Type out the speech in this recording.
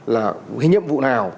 là cái nhiệm vụ nào